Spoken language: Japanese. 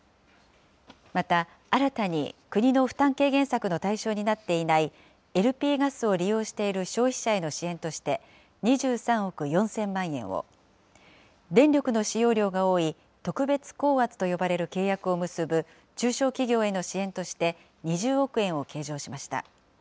また新たに、国の負担軽減策の対象になっていないＬＰガスを利用している消費者への支援として２３億４０００万円を、電力の使用量が多い特別高圧と呼ばれる契約を結ぶ中小企業への支援として２０億円を計上しました。